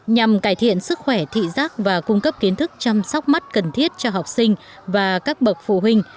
nhằm cải thiện sức khỏe thị giác và cung cấp kiến thức chăm sóc mắt cần thiết cho học sinh và các bậc phụ huynh